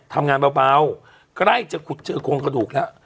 ทำงานเบาใกล้จะขุดเจอโครงกระดูกแล้ว